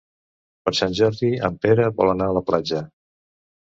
Per Sant Jordi en Pere vol anar a la platja.